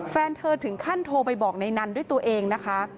แฟนเธอถึงขั้นโทรไปบอกในนั้นด้วยตัวเองนะคะ